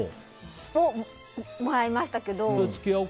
もらいましたけど。